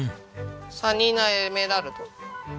サリーナエメラルド。